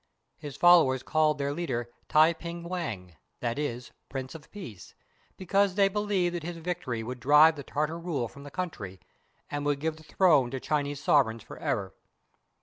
His followers called their leader Tai ping Wang, that is, "Prince of Peace," because they believed that his victory would drive the Tartar rule from the country and would give the throne to Chinese sov ereigns forever.